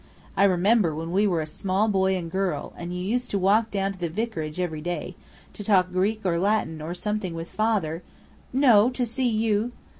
I remember when we were small boy and girl, and you used to walk down to the vicarage every day, to talk Greek or Latin or something with father " "No, to see you!"